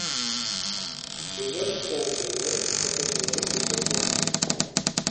Les habitants d'Aywaille s'appellent d'ailleurs les Aqualiens.